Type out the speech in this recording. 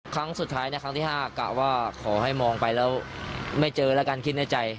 ครั้งสุดท้ายในครั้งที่๕กะว่าขอให้มองไปแล้วไม่เจอแล้วกันคิดในใจ